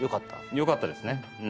良かったですね。